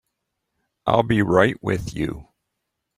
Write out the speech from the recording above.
I'll be right with you.